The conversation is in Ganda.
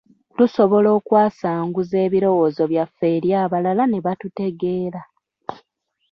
Tusobola okwasanguza ebirowoozo byaffe eri abalala ne batutegeera.